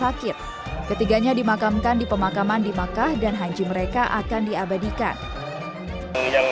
tiga anggota jemaah yang meninggal menjadi dua puluh lima orang